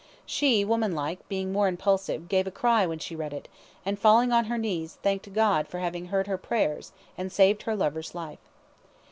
She, womanlike, being more impulsive, gave a cry when she read it, and, falling on her knees, thanked God for having heard her prayers, and saved her lover's life.